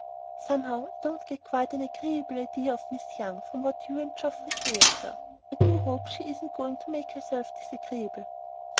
"Somehow I don't get quite an agreeable idea of Miss Young from what you and Geoffrey say of her. I do hope she isn't going to make herself disagreeable."